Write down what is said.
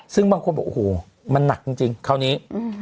ซึ่งบางคนบอกโอ้โหมันหนักจริงคราวนี้